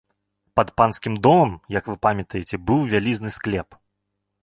Пад панскім домам, як вы памятаеце, быў вялізны склеп.